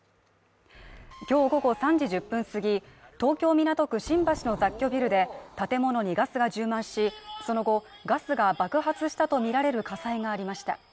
今日午後３時１０分すぎ、東京・港区新橋の雑居ビルで建物にガスが充満し、その後ガスが爆発したとみられる火災がありました。